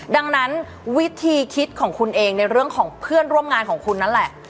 ดังนั้นวิธีคิดของคุณเองในเรื่องของเพื่อนร่วมงานของคุณนั่นแหละ